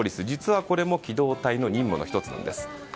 実はこれも機動隊の任務の１つなんです。